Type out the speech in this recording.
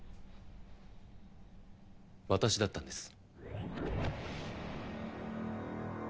私だったんです。